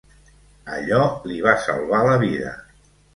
Allò li va salvar la vida.